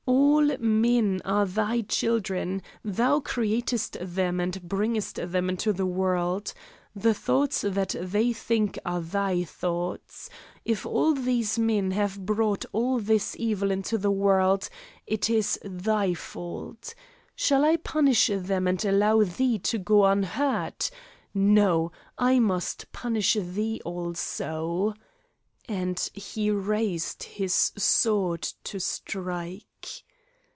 All men are thy children, thou createst them and bringest them into the world. The thoughts that they think are thy thoughts. If all these men have brought all this evil into the world, it is thy fault. Shall I punish them and allow thee to go unhurt? No. I must punish thee also," and he raised his sword to strike.